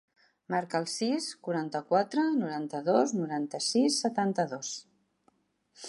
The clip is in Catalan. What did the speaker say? Marca el sis, quaranta-quatre, noranta-dos, noranta-sis, setanta-dos.